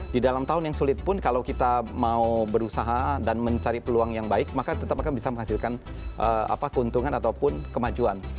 di dalam tahun yang sulit pun kalau kita mau berusaha dan mencari peluang yang baik maka tetap akan bisa menghasilkan keuntungan ataupun kemajuan